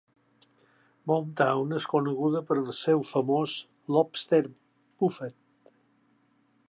Boomtown és coneguda pel seu famós Lobster Buffet.